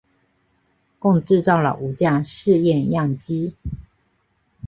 共制造了五架试验样机。